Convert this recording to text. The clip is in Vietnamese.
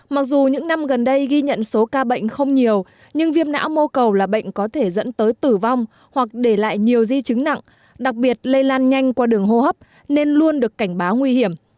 mặc dù những năm gần đây ghi nhận số ca bệnh không nhiều nhưng viêm não mô cầu là bệnh có thể dẫn tới tử vong hoặc để lại nhiều di chứng nặng đặc biệt lây lan nhanh qua đường hô hấp nên luôn được cảnh báo nguy hiểm